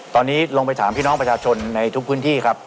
ตอนนี้ลงไปถามพี่น้องประชาชนในทุกพื้นที่ครับ